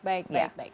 baik baik baik